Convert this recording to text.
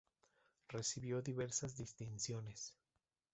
Recibió diversas distinciones.